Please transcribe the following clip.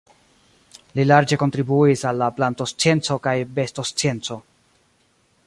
Li larĝe kontribuis al la plantoscienco kaj bestoscienco.